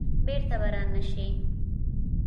بیرته به را نه شي.